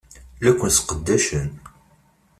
La ken-sseqdacen.